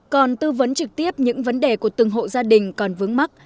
còn tư vấn trực tiếp những vấn đề của từng hộ gia đình còn vướng mắt